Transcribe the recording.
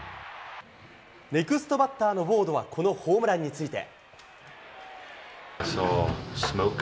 ネクストバッターのウォードはこのホームランについて。